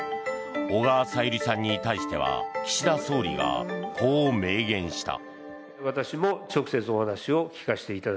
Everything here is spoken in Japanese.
小川さゆりさんに対しては岸田総理がこう明言した。